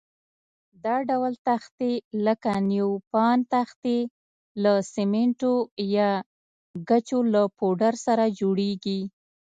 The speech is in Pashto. دا ډول تختې لکه نیوپان تختې له سمنټو یا ګچو له پوډر سره جوړېږي.